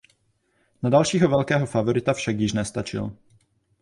Na dalšího velkého favorita však již nestačil.